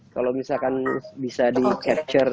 kalau misalkan bisa di capture